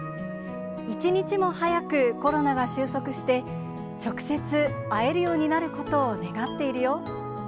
一日も早くコロナが収束して、直接会えるようになることを願っているよ。